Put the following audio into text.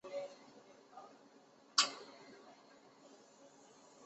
出演过多部影视剧。